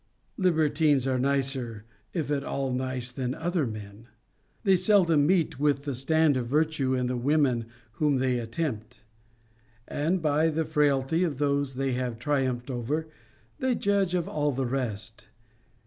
Libertines are nicer, if at all nice, than other men. They seldom meet with the stand of virtue in the women whom they attempt. And, by the frailty of those they have triumphed over, they judge of all the rest.